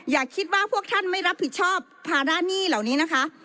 อย่าคิดว่าพวกท่านไม่รับผิดชอบภาระหนี้เหล่านี้นะคะ